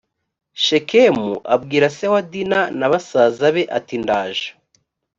shekemu abwira se wa dina na basaza be ati ndaje